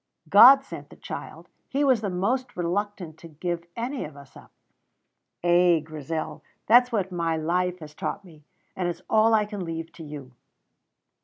"God sent the child; He is most reluctant to give any of us up. Ay, Grizel, that's what my life has taught me, and it's all I can leave to you."